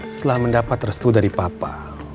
setelah mendapat restu dari papa